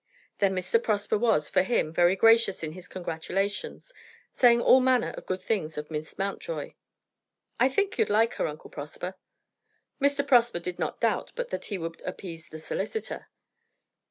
Then Mr. Prosper was, for him, very gracious in his congratulations, saying all manner of good things of Miss Mountjoy. "I think you'd like her, Uncle Prosper." Mr. Prosper did not doubt but that he would "appease the solicitor."